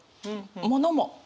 物も。